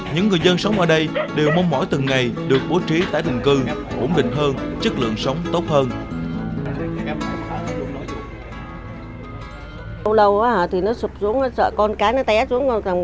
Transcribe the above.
những người dân sống ở đây đều mong mỏi từng ngày được bố trí tại đường cư